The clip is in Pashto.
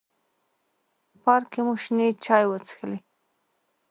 پارک کې مو شنې چای وڅښلې.